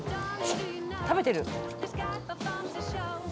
食べてる。